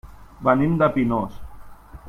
Venim de Pinós.